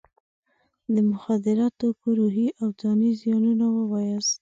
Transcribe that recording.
د مخدره توکو روحي او ځاني زیانونه ووایاست.